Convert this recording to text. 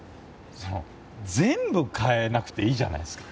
全部変えなくていいじゃないですか。